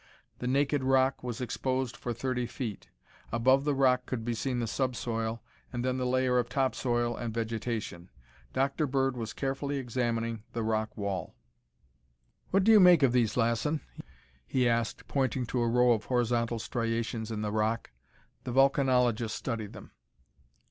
The naked rock was exposed for thirty feet. Above the rock could be seen the subsoil, and then the layer of top soil and vegetation. Dr. Bird was carefully examining the rock wall. "What do you make of these, Lassen?" he asked, pointing to a row of horizontal striations in the rock. The volcanologist studied them.